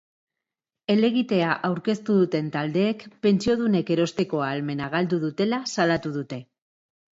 Helegitea aurkeztu duten taldeek pentsiodunek erosteko ahalmena galdu dutela salatu dute.